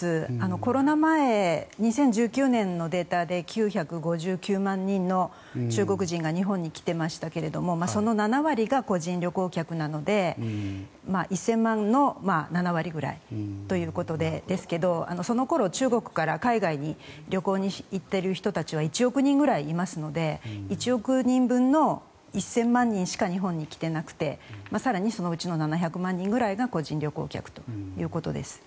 コロナ前、２０１９年のデータで９５９万人の中国人が日本に来ていましたけどその７割が個人旅行客なので１０００万の７割ぐらいということですがその頃、中国から海外に旅行に行っている人たちは１億人ぐらいいますので１億人分の１０００万人しか日本に来ていなくて更にそのうちの７００万人ぐらいが個人旅行客ということです。